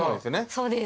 そうです。